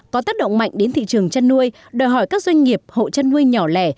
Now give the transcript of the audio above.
có tác động mạnh đến thị trường chăn nuôi đòi hỏi các doanh nghiệp hộ chăn nuôi nhỏ lẻ